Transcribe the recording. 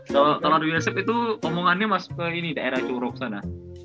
kalau kalau ada yosef itu omongannya masuk ke ini daerah curug sana